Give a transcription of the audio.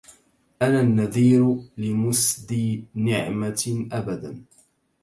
أنا النذير لمسدي نعمة أبدا